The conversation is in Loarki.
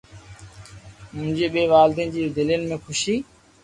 منهنجي ٻنهي والدين جي دلين ۾ خوشي